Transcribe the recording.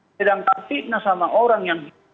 sedangkan fitnah sama orang yang